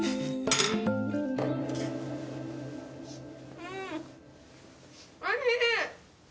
うんおいしい！